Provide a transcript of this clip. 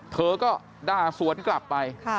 เธอก็ด่าสวนกลับไป